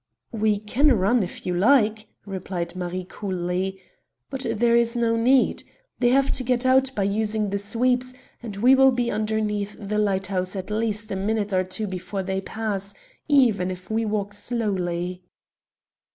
"We can run if you like," replied Marie coolly, "but there is no need. They have to get out by using the sweeps, and we will be underneath the lighthouse at least a minute or two before they pass, even if we walk slowly."